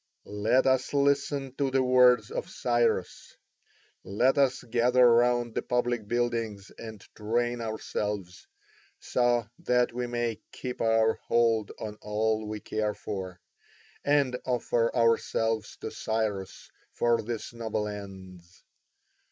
Let us listen to the words of Cyrus. Let us gather round the public buildings and train ourselves, so that we may keep our hold on all we care for, and offer ourselves to Cyrus for his noble ends.